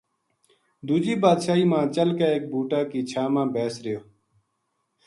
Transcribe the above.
دوجی بادشاہی ما چل کے ایک بوٹا کی چھاں ما بیس رہیو